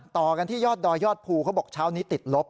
ต่อกันที่ยอดดอยยอดภูเขาบอกเช้านี้ติดลบ